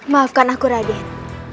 maafkan aku raden